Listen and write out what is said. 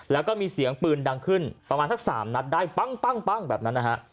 แล้วก็มีเสียงปืนดังขึ้นประมาณสัก๓นัดได้ปั้งแบบนั้นนะฮะ